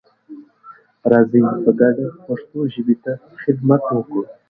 راځئ په ګډه پښتو ژبې ته خدمت وکړو.